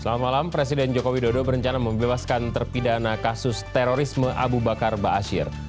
selamat malam presiden jokowi dodo berencana membebaskan terpidana kasus terorisme abu bakar ba'asyir